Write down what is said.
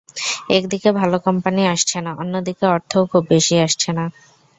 একদিকে ভালো কোম্পানি আসছে না, অন্যদিকে অর্থও খুব বেশি আসছে না।